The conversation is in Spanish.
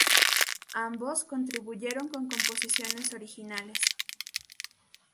Ambos contribuyeron con composiciones originales.